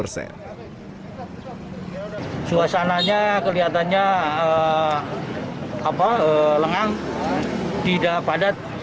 suasananya kelihatannya lengang tidak padat